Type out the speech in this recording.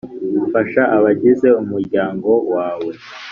Fasha abagize umuryango wawe